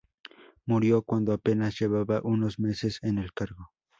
Murió cuando apenas llevaba unos meses en el cargo.